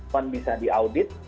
bukan bisa di audit